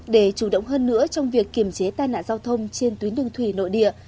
để chủ động hơn nữa trong việc kiềm chế tai nạn giao thông trên tuyến đường thủy nội địa